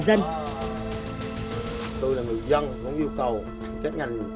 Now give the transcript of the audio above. tôi là người dân muốn yêu cầu các ngành